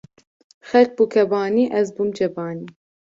Xelk bû kebanî, ez bûm cebanî